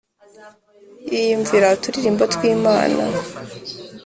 yiyumvira uturirimbo twimana